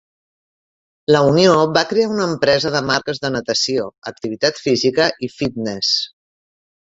La unió va crear una empresa de marques de natació, activitat física i fitness.